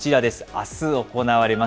あす行われます